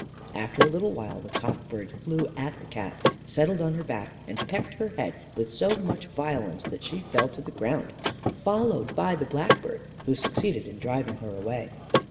After a little while, the cock bird flew at the Cat, settled on her back, and pecked her head with so much violence that she fell to the ground, followed by the blackbird, who succeeded in driving her away.